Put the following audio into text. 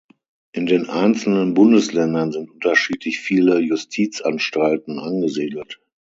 In den einzelnen Bundesländern sind unterschiedlich viele Justizanstalten angesiedelt.